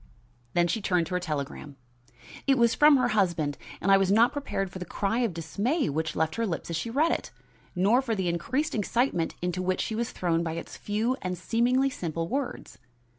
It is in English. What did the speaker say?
Then she turned to her telegram. It was from her husband, and I was not prepared for the cry of dismay which left her lips as she read it, nor for the increased excitement into which she was thrown by its few and seemingly simple words.